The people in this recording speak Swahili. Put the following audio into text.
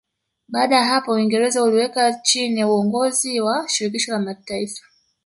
Baada ya hapo Uingereza uliiweka chini ya uongozi wa Shirikisho la Mataifa